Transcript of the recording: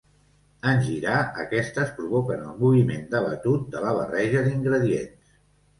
En girar, aquestes provoquen el moviment de batut de la barreja d'ingredients.